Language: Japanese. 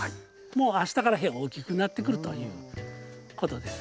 もう明日から大きくなってくるということです。